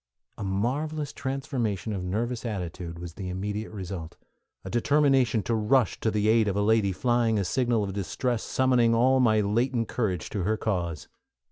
A marvelous transformation of nervous attitude was the immediate result, a determination to rush to the aid of a lady flying a signal of distress summoning all my latent courage to her cause.